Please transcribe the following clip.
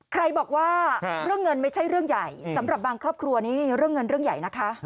ใครบอกว่าเรื่องเงินไม่ใช่เรื่องใหญ่สำหรับบางครอบครัวนี่เรื่องเงินเรื่องใหญ่นะคะ